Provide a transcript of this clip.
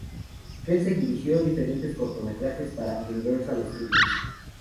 Kelsey dirigió diferentes cortometrajes para Universal Studios.